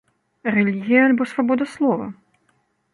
Рэлігія альбо свабода слова?